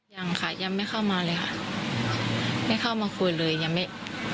ยังค่ะยังไม่เข้ามาเลยค่ะไม่เข้ามาคุยเลยยังไม่